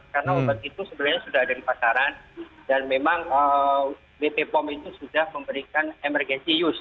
karena obat itu sebenarnya sudah ada di pasaran dan memang bp pom itu sudah memberikan emergency use